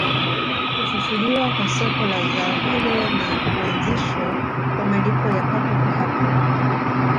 Kufufuliwa kwa soko la zao hilo na kuanzishwa kwa malipo ya papo kwa hapo